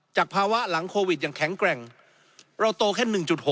ภาวะหลังโควิดอย่างแข็งแกร่งเราโตแค่๑๖